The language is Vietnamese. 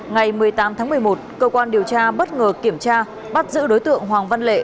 ngày một mươi tám tháng một mươi một cơ quan điều tra bất ngờ kiểm tra bắt giữ đối tượng hoàng văn lệ